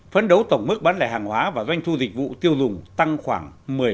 phấn đấu tổng mức bán lẻ hàng hóa và doanh thu dịch vụ tiêu dùng tăng khoảng một mươi